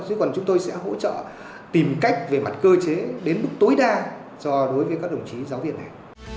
chứ còn chúng tôi sẽ hỗ trợ tìm cách về mặt cơ chế đến mức tối đa cho đối với các đồng chí giáo viên này